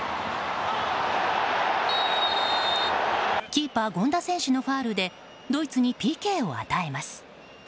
キーパー、権田選手のファウルでドイツにＰＫを与えます。